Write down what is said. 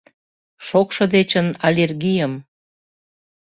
Шокшо дечын — аллергийым